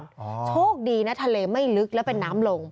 โชคดีนะทะเลไม่ลึกแล้วเป็นน้ำลง